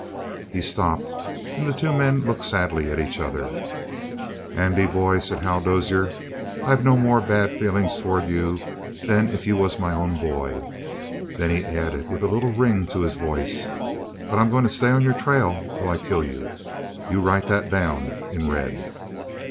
He stopped, and the two men looked sadly at each other. "Andy, boy," said Hal Dozier, "I've no more bad feeling toward you than if you was my own boy." Then he added with a little ring to his voice: "But I'm going to stay on your trail till I kill you. You write that down in red."